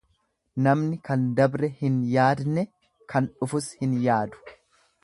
Namni kan dabre hin yaadne kan dhufus hin yaadu.